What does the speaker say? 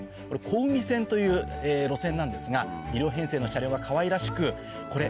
小海線という路線なんですが２両編成の車両がかわいらしくこれ